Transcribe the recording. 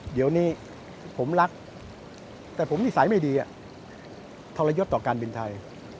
เดี๋ยวนี้ผมรักแต่ผมนิสัยไม่ดีทรยศต่อการบินไทย